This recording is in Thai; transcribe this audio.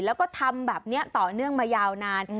แล้วก็ทำแบบนี้ต่อเนื่องมายาวนาน